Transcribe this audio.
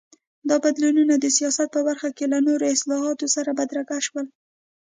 دا بدلونونه د سیاست په برخه کې له نورو اصلاحاتو سره بدرګه شول.